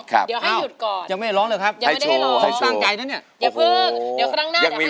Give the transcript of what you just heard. เดี๋ยวให้หยุดก่อนอย่างไม่ได้ร้องหรอกครับยังไม่ได้ร้อง